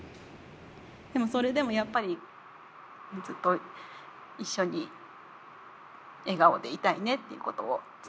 でもそれでもやっぱりずっと一緒に笑顔でいたいねっていうことを伝えたいです。